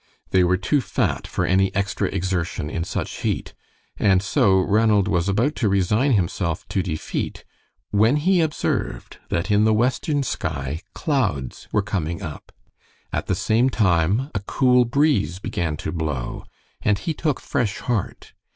They were too fat for any extra exertion in such heat, and so Ranald was about to resign himself to defeat, when he observed that in the western sky clouds were coming up. At the same time a cool breeze began to blow, and he took fresh heart.